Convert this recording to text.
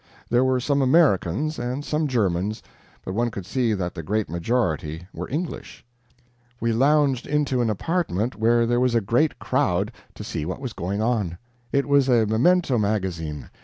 There were some Americans and some Germans, but one could see that the great majority were English. We lounged into an apartment where there was a great crowd, to see what was going on. It was a memento magazine.